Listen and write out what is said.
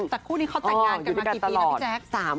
แต่คู่นี้เขาแต่งงานกันมากี่ปีแล้วพี่แจ๊ค